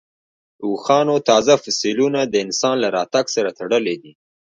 اوښانو تازه فسیلونه د انسان له راتګ سره تړلي دي.